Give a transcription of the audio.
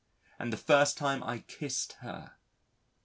and the first time I kissed her!